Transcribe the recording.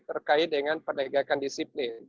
terkait dengan penegakan disiplin